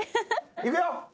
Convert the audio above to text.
いくよ！